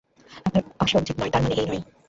আপনার আসা উচিত নয় তার মানে এই নয়।